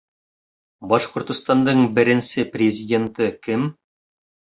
Башҡортостандың беренсе президенты кем?